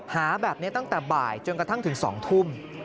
หาแบบนี้ตั้งแต่บ่ายจนกระทั่งถึง๒ทุ่ม